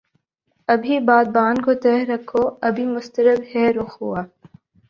ابھی بادبان کو تہ رکھو ابھی مضطرب ہے رخ ہوا